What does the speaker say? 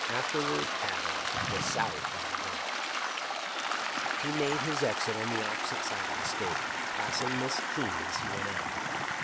afterward adding, ' The South is avenged !' He made his exit on the opposite side of the stage, passing Miss Keene as he went out.